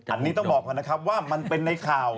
อันนี้ต้องบอกก่อนนะครับว่ามันเป็นในข่าว